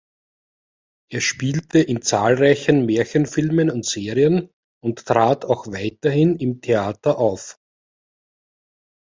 Er spielte in zahlreichen Märchenfilmen und Serien und trat auch weiterhin im Theater auf.